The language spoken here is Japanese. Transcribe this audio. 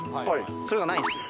それがないんですよ。